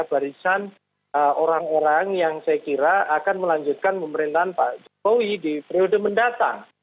barisan orang orang yang saya kira akan melanjutkan pemerintahan pak jokowi di periode mendatang